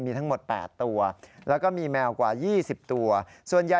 นี่ทองดำของเขานะ